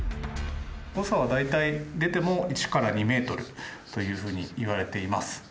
誤差は大体出ても１から２ｍというふうにいわれています。